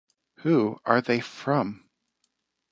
Who are they from?